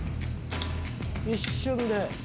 一瞬で。